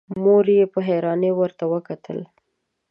مور يې په حيرانی ورته وکتل.